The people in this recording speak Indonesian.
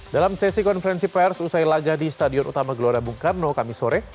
dalam sesi konferensi pers usai laga di stadion utama gelora bung karno kami sore